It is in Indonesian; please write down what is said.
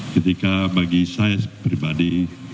ketika bagi saya pribadi